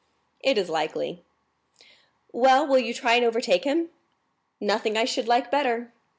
"It is likely." "Well, will you try and overtake him?" "Nothing I should like better."